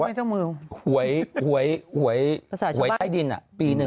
เขาบอกว่าผมไม่เจ้ามือหวยหวยหวยใต้ดินอ่ะปีหนึ่ง